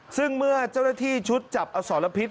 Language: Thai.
ซึ่งเมื่อเจ้าหน้าที่ชุดจับอสรพิษ